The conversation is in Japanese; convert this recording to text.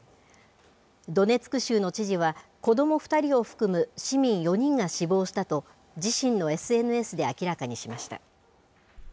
ドネツク州の知事は、子ども２人を含む、市民４人が死亡したと、自身のＳＮＳで明らかにしました。